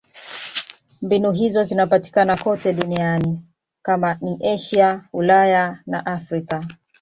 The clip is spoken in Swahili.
Mbinu hizo zinapatikana kote duniani: kama ni Asia, Ulaya au Afrika.